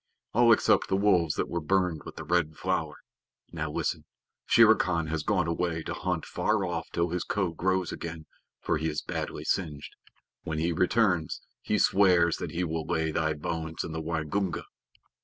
"All except the wolves that were burned with the Red Flower. Now, listen. Shere Khan has gone away to hunt far off till his coat grows again, for he is badly singed. When he returns he swears that he will lay thy bones in the Waingunga."